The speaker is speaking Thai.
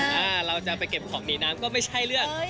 เราจะไปเก็บของหนีน้ำก็ไม่ใช่เรื่อง